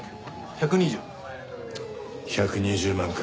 １２０万か。